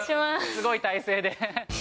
すごい体勢で。